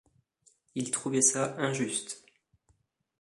Il trouvait ça injuste.